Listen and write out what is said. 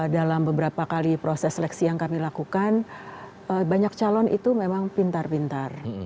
dalam beberapa kali proses seleksi yang kami lakukan banyak calon itu memang pintar pintar